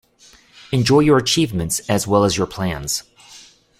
Enjoy your achievements as well as your plans.